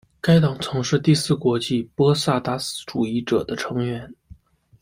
该党曾是第四国际波萨达斯主义者的成员。